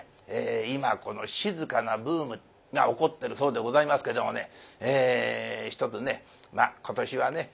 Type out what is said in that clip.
今この静かなブームが起こってるそうでございますけどもねひとつねまあ今年はね